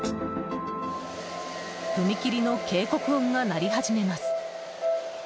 踏切の警告音が鳴り始めます。